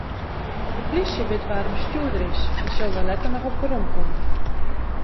De polysje wit wa't de bestjoerder is en sil dêr letter noch op weromkomme.